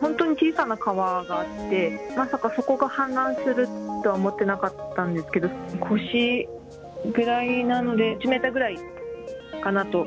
本当に小さな川があって、まさかそこが氾濫するとは思ってなかったんですけど、腰ぐらいなので１メーターぐらいかなと。